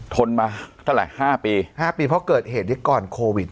ทนมาเท่าไหร่๕ปี๕ปีเพราะเกิดเหตุนี้ก่อนโควิด